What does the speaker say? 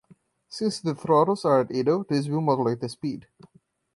Since the throttles are at idle this will modulate the speed.